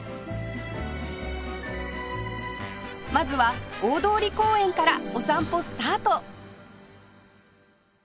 まずは大通公園からお散歩スタート！